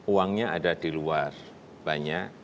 uangnya ada di luar banyak